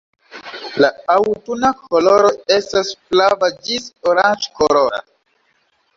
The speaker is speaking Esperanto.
La aŭtuna koloro estas flava ĝis oranĝkolora.